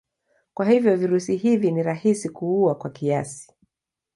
Kwa hivyo virusi hivi ni rahisi kuua kwa kiasi.